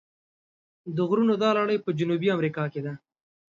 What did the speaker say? د غرونو دا لړۍ په جنوبي امریکا کې ده.